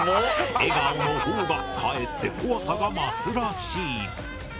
笑顔の方がかえって怖さが増すらしい。